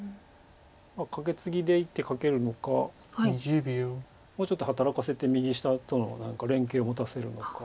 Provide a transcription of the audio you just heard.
カケツギで１手かけるのかもうちょっと働かせて右下との何か連係を持たせるのか。